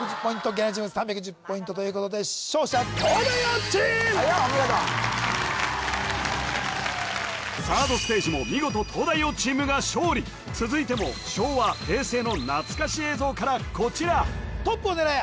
芸能人チーム３１０ポイントということで勝者東大王チームお見事サードステージも見事東大王チームが勝利続いても昭和平成のなつかし映像からこちらトップを狙え！